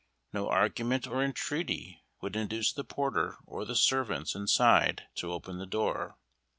No argument or entreaty would induce the porter or the servants inside to open the door.